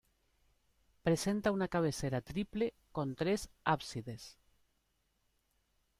Presenta una cabecera triple con tres ábsides.